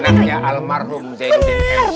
anaknya almarhum zainuddin nz